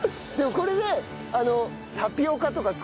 これで。